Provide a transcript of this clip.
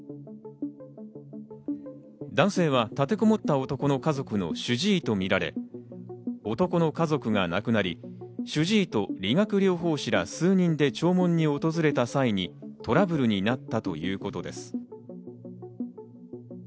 男性は立てこもった男の家族の主治医とみられ、男の家族が亡くなり主治医と理学療法士ら数人で弔問に訪れた際にトラブルになったということです。